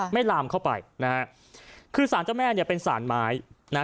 ลามเข้าไปนะฮะคือสารเจ้าแม่เนี่ยเป็นสารไม้นะฮะ